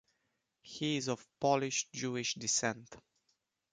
He is of Polish Jewish descent.